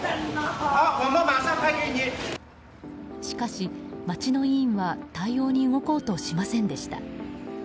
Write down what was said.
しかし、街の委員は対応に動こうとしませんでした。